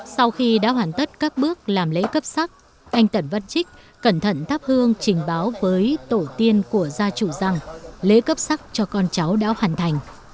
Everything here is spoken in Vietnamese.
sau khi đã hoàn tất các bước làm lễ cấp sắc anh tẩn văn trích cẩn thận thắp hương trình báo với tổ tiên của gia chủ rằng lễ cấp sắc cho con cháu đã hoàn thành